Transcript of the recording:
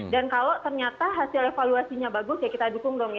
dan kalau ternyata hasil evaluasinya bagus ya kita dukung dong ya